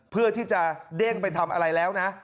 เพื่อที่จะเด้งไปทำอะไรแล้วนะ